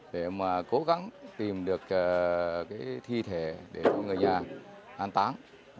để mà cố gắng tìm được thi thể để người nhà an táng